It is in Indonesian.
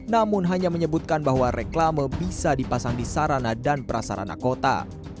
namun hanya menyebutkan bahwa reklame bisa dipasang di sarana dan prasarana kota